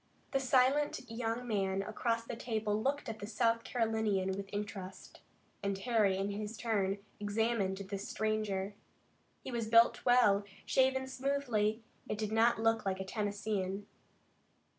The silent young man across the table looked at the South Carolinian with interest, and Harry in his turn examined this stranger. He was built well, shaven smoothly, and did not look like a Tennesseean.